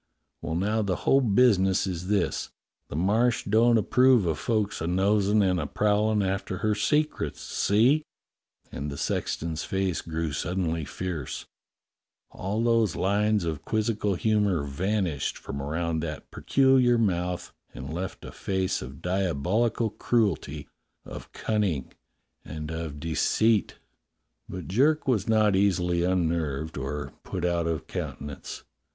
W^ell, now the whole business is this: the Marsh don't approve of folks a nosin' and a prowlin' after her secrets, see?" And the sexton's face grew suddenly fierce: all those lines of quizzical humour vanished from around that peculiar mouth and left a face of diabolical cruelty, of cunning, and of 166 DOCTOR SYN deceit. But eTerk was not easily unnerved or put out of countenance.